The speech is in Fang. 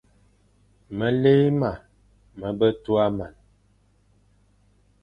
Meli ma be tua man,